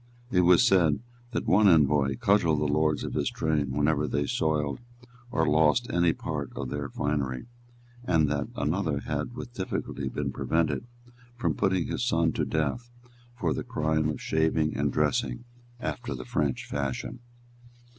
It was said that one envoy cudgelled the lords of his train whenever they soiled or lost any part of their finery, and that another had with difficulty been prevented from putting his son to death for the crime of shaving and dressing after the French fashion.